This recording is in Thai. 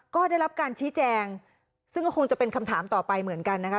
ก็ได้รับการชี้แจงซึ่งก็คงจะเป็นคำถามต่อไปเหมือนกันนะคะ